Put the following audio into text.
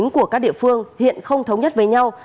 của các địa phương hiện không thống nhất với nhau